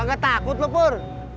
enggak takut lo pur